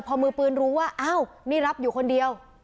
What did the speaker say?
พอมือปืนรู้ว่าอ้าวนี่รับอยู่คนเดียว